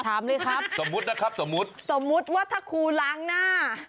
ถามเลยครับสมมุตินะครับสมมุติสมมุติว่าถ้าครูล้างหน้า